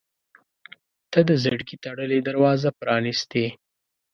• ته د زړګي تړلې دروازه پرانستې.